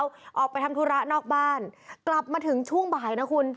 แล้วออกไปทำธุระนอกบ้านกลับมาถึงช่วงบ่ายนะคุณ